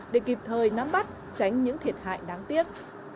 để kịp thời nắm bắt tránh những thiệt hại đáng tiếc